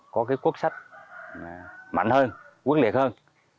có cái quốc sách mạnh hơn quân liệt hơn